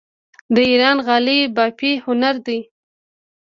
د ایران غالۍ بافي هنر دی.